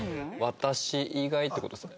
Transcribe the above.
「私以外」って事ですね。